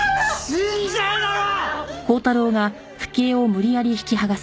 死んじゃうだろ！